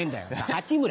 八村。